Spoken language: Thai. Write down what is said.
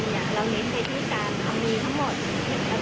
ก็คือถ้าเกิดมีลูกค้ามาฝาก